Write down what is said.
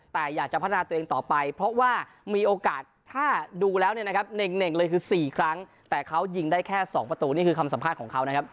แต่อยากจะพัฒนาตัวเองต่อไปเพราะว่ามีโอกาสถ้าดูแล้วเนี่ยนะครับเน่งเลยคือ๔ครั้งแต่เขายิงได้แค่๒ประตูนี่คือคำสัมภาษณ์ของเขานะครับ